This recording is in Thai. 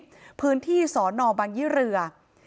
ภูมิพื้นที่สนบางยิเรือ